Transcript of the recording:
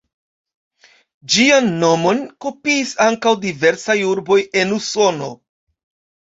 Ĝian nomon kopiis ankaŭ diversaj urboj en Usono.